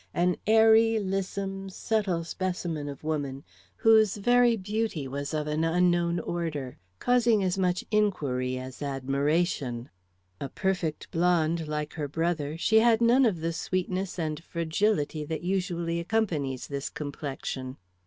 An airy, lissom, subtle specimen of woman, whose very beauty was of an unknown order, causing as much inquiry as admiration. A perfect blonde like her brother, she had none of the sweetness and fragility that usually accompanies this complexion.